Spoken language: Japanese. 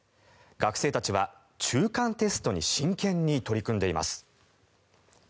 学生たちは中間テストに真剣に取り組んでいます。